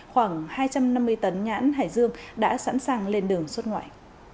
khoảng hai trăm năm mươi tấn nhãn hải dương đã sẵn sàng lên đường xuất ngoại